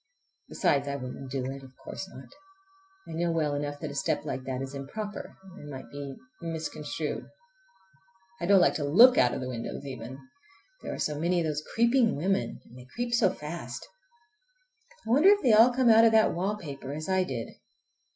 Besides I wouldn't do it. Of course not. I know well enough that a step like that is improper and might be misconstrued. I don't like to look out of the windows even—there are so many of those creeping women, and they creep so fast. I wonder if they all come out of that wallpaper as I did?